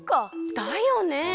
だよね。